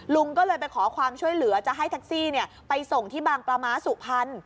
ลุงก็เลยไปขอความช่วยเหลือจะให้แท็กซี่ไปส่งที่บางปลาม้าสุพรรณ